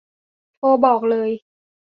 โทรบอกเลย